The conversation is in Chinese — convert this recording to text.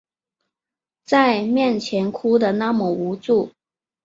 在面前哭的那么无助